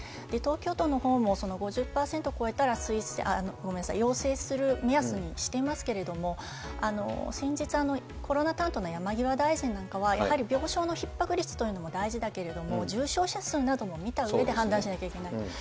東京都のほうも、５０％超えたら要請する目安にしていますけれども、先日、コロナ担当の山際大臣なんかは、やはり病床のひっ迫率というのも大事だけれども、重症者数なども見たうえで判断しなきゃいけない。